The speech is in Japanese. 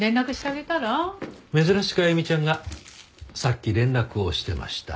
珍しく歩ちゃんがさっき連絡をしてました。